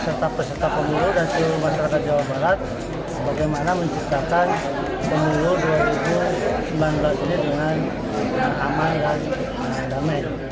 serta peserta pemilu dan seluruh masyarakat jawa barat bagaimana menciptakan pemilu dua ribu sembilan belas ini dengan aman dan damai